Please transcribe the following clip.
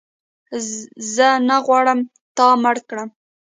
زه نه غواړم تا مړ کړم